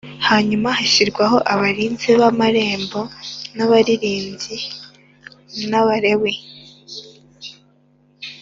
Hanyuma hashyirwaho abarinzi b amarembo r n abaririmbyi n Abalewi